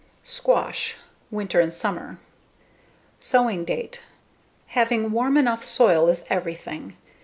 Squash, Winter and Summer Sowing date: Having warm enough soil is everything.